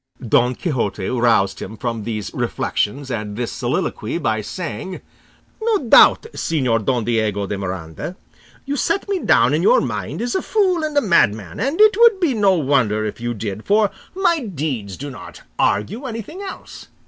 Don Quixote roused him from these reflections and this soliloquy by saying, "No doubt, Señor Don Diego de Miranda, you set me down in your mind as a fool and a madman, and it would be no wonder if you did, for my deeds do not argue anything else.